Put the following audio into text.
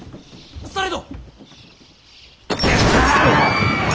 されど！